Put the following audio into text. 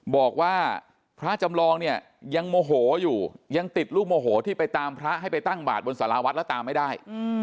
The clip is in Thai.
บอกว่าพระจำลองเนี่ยยังโมโหอยู่ยังติดรูปโมโหที่ไปตามพระให้ไปตั้งบาดบนสาราวัดแล้วตามไม่ได้